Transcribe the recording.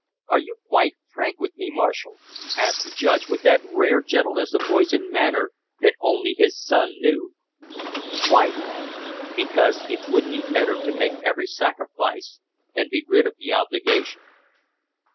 "Are you quite frank with me, Marshall?" asked the judge with that rare gentleness of voice and manner that only his son knew. "Quite." "Because it would be better to make every sacrifice and be rid of the obligation."